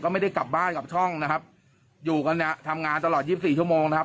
ไม่ได้กลับบ้านกลับช่องนะครับอยู่กันเนี่ยทำงานตลอด๒๔ชั่วโมงนะครับ